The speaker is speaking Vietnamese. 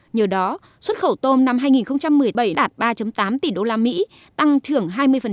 nhờ đó xuất khẩu tôm năm hai nghìn một mươi bảy đạt ba tám tỷ usd tăng trưởng hai mươi